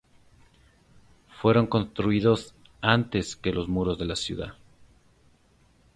Fueron construidos antes que los muros de la ciudad.